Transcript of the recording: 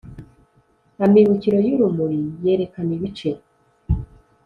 amibukiro y’urumuri: yerekana ibice